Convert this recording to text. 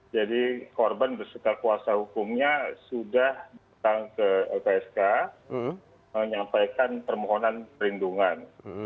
jadi korban bersuka kuasa hukumnya sudah datang ke lpsk menyampaikan permohonan perlindungan